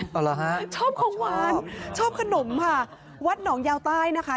เอาเหรอฮะชอบของหวานชอบขนมค่ะวัดหนองยาวใต้นะคะ